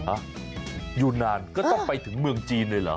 อ่ะอยู่นานก็ต้องไปถึงเมืองจีนเลยเหรอ